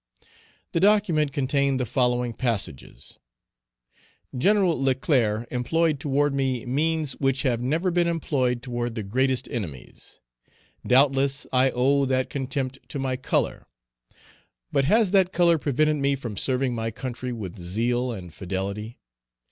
The document contained the following passages: "General Leclerc employed toward me means which have never been employed toward the greatest enemies. Doubtless, I owe that contempt to my color; but has that color prevented me from serving my country with zeal and fidelity?